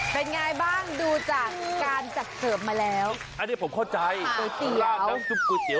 เป็นอย่างไรบ้างดูจากการจัดเสิร์ฟมาแล้วด๋วยเตี๋ยวด๋วยเตี๋ยว